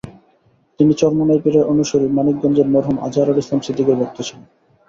তিনি চরমোনাই পীরের অনুসারী মানিকগঞ্জের মরহুম আজহারুল ইসলাম সিদ্দিকীর ভক্ত ছিলেন।